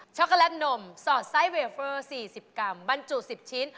็อกโกแลตนมสอดไส้เวเฟอร์๔๐กรัมบรรจุ๑๐ชิ้น